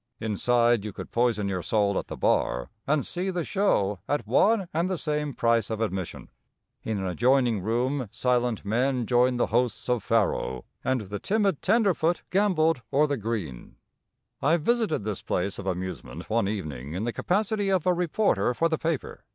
Inside you could poison your soul at the bar and see the show at one and the same price of admission. In an adjoining room silent men joined the hosts of faro and the timid tenderfoot gamboled o'er the green. I visited this place of amusement one evening in the capacity of a reporter for the paper.